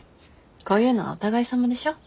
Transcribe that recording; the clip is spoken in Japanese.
こういうのはお互いさまでしょ。